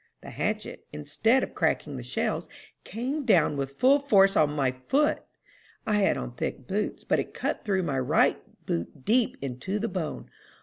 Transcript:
The hatchet, instead of cracking the shells, came down with full force on my foot! I had on thick boots, but it cut through my right boot deep into the bone.